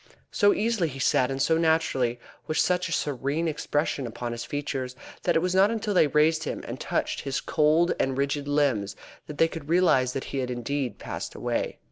So easily he sat and so naturally, with such a serene expression upon his features, that it was not until they raised him, and touched his cold and rigid limbs, that they could realise that he had indeed passed away.